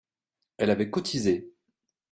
Elle avait cotisé